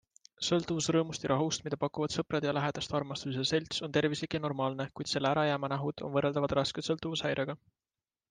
Sõltuvus rõõmust ja rahust, mida pakuvad sõprade ja lähedaste armastus ja selts, on tervislik ja normaalne, kuid selle ärajäämanähud on võrreldavad raske sõltuvushäirega.